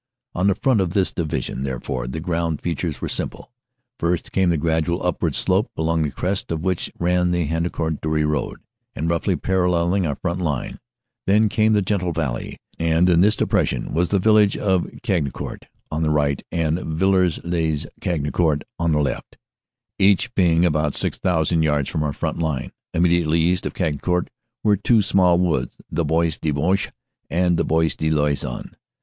"On the front of this division, therefore, the ground feat ures were simple. First came the gradual upward slope along the crest of which ran the Hendecourt Dury road, and roughly paralleling our front line. Then came a gentle valley, and in this depression was the village of Cagnicourt on the right and Villers lez Cagnicourt on the left, each being about 6,000 yards OPERATIONS: AUG. 29 31 147 from our front line. Immediately east of Cagnicourt were two small woods the Bois de Bouche and the Bois de Loison.